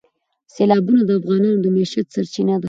سیلابونه د افغانانو د معیشت سرچینه ده.